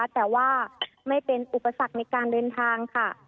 แต่ว่าไม่เป็นอุปสรรคในการเดินทางค่ะ